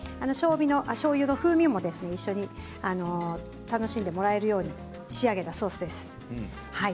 しょうゆの風味も一緒に楽しんでもらえるように仕上げたソースです。